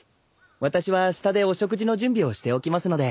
私は下でお食事の準備をしておきますので。